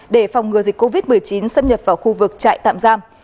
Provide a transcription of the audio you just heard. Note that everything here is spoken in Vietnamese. để phòng ngừa dịch covid một mươi chín xâm nhập vào khu vực trại tạm giam